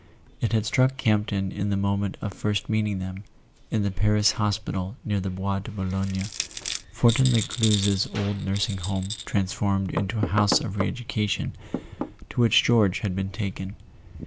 It had struck Camp ton in the moment of first meeting them, in the Paris hospi¬ tal near the Bois de Boulogne—Fortin Lescluze's old Nursing Home transformed into a House of Re educa¬ tion—to which George had been taken.